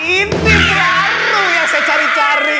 ini meraruh yang saya cari cari nih